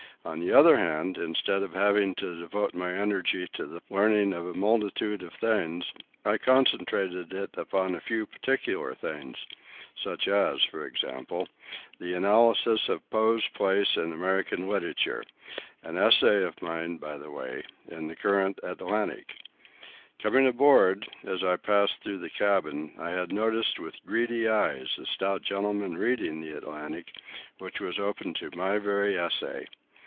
On the other hand, instead of having to devote my energy to the learning of a multitude of things, I concentrated it upon a few particular things, such as, for instance, the analysis of Poe's place in American literature—an essay of mine, by the way, in the current Atlantic. Coming aboard, as I passed through the cabin, I had noticed with greedy eyes a stout gentleman reading the Atlantic, which was open at my very essay.